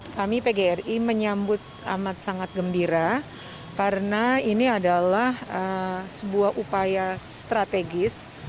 kami pgri menyambut amat sangat gembira karena ini adalah sebuah upaya strategis